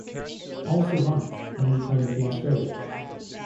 All survived and returned to Australia.